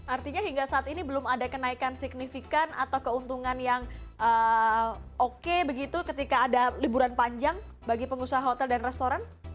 artinya hingga saat ini belum ada kenaikan signifikan atau keuntungan yang oke begitu ketika ada liburan panjang bagi pengusaha hotel dan restoran